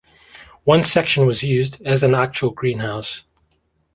One section was used as an actual greenhouse.